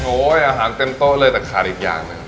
อาหารเต็มโต๊ะเลยแต่ขาดอีกอย่างหนึ่ง